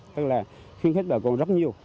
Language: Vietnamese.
tức là khuyến khích bà con rất nhiều